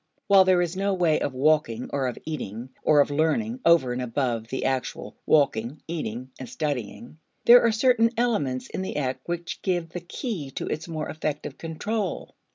While there is no way of walking or of eating or of learning over and above the actual walking, eating, and studying, there are certain elements in the act which give the key to its more effective control.